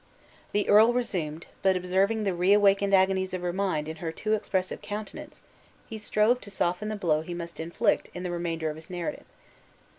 The earl resumed, but, observing the reawakened agonies of her mind in her too expressive countenance, he strove to soften the blow he must inflict in the remainder of his narrative.